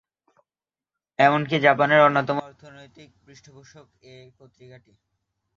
এমনকি জাপানের অন্যতম অর্থনৈতিক পৃষ্ঠপোষক এ পত্রিকাটি।